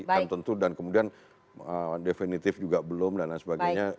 dan tentu kemudian definitif juga belum dan lain sebagainya